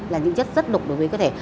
là những chất rất độc đối với cơ thể